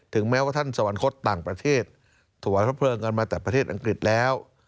แม้ว่าท่านสวรรคตต่างประเทศถวายพระเพลิงกันมาจากประเทศอังกฤษแล้ว